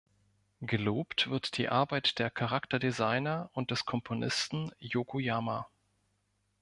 Gelobt wird die Arbeit der Charakterdesigner und des Komponisten Yokoyama.